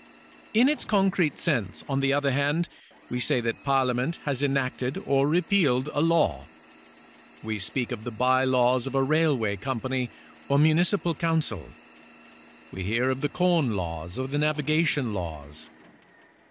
In its concrete sense, on the other hand, we say that Parlia ment has enacted or repealed a law. We speak of the by laws of a railway company or municipal council. We hear of the corn laws or the navigation laws.